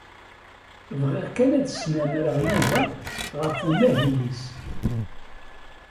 Bɣiɣ kan ad snamreɣ Yuba ɣef umahil-is.